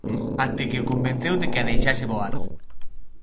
Até que o convenceu de que a deixase voar.